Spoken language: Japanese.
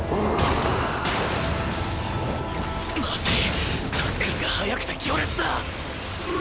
まずいタックルが速くて強烈だ！！